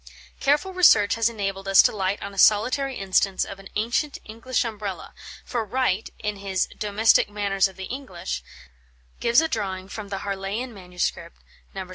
Careful research has enabled us to light on a solitary instance of an ancient English Umbrella, for Wright, in his "Domestic Manners of the English," gives a drawing from the Harleian MS.